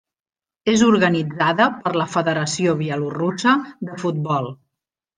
És organitzada per la Federació Bielorussa de Futbol.